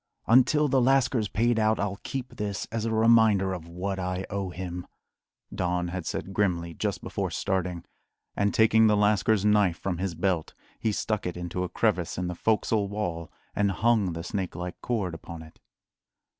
"Until the lascar's paid out, I'll keep this as a reminder of what I owe him," Don had said grimly, just before starting; and taking the lascars knife from his belt he stuck it into a crevice in the "fo'csle" wall, and hung the snake like cord upon it.